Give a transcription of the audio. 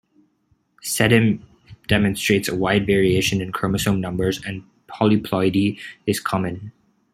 "Sedum" demonstrates a wide variation in chromosome numbers, and polyploidy is common.